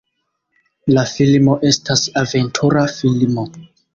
La filmo estas aventura filmo.